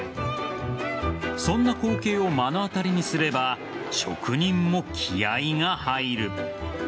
そんな光景を目の当たりにすれば職人も気合が入る。